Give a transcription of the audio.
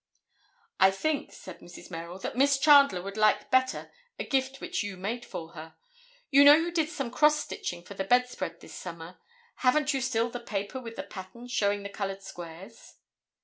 "I think," said Mrs. Merrill, "that Miss Chandler would like better a gift which you made for her. You know you did some cross stitching for the bedspread this summer. Haven't you still the paper with the pattern showing the colored squares?"